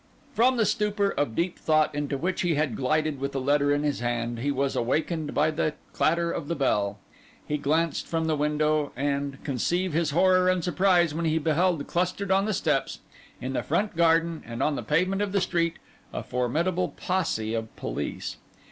From the stupor of deep thought into which he had glided with the letter in his hand, he was awakened by the clatter of the bell. He glanced from the window; and, conceive his horror and surprise when he beheld, clustered on the steps, in the front garden and on the pavement of the street, a formidable posse of police!